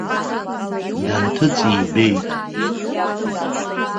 Данҭыҵ ибеит.